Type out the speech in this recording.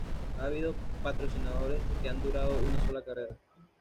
Ha habido patrocinadores que han durado una sola carrera.